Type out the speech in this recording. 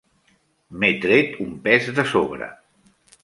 M'he tret un pes de sobre.